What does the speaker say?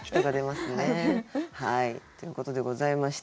はいということでございました。